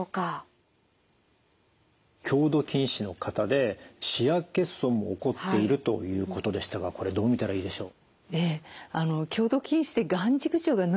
強度近視の方で視野欠損も起こっているということでしたがこれどう見たらいいでしょう？